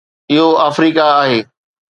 اهو آفريڪا آهي